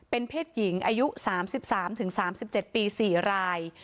เป็นเพศหญิงอายุ๓๓๗ปี๔ราย